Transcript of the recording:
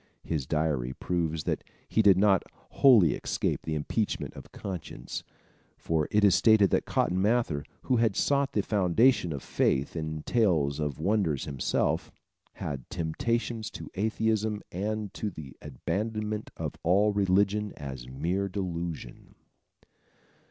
His diary proves that he did not wholly escape the impeachment of conscience, for it is stated that Cotton Mather, who had sought the foundation of faith in tales of wonders himself, "had temptations to atheism and to the abandonment of all religion as a mere delusion."